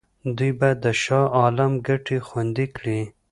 دوی باید د شاه عالم ګټې خوندي کړي.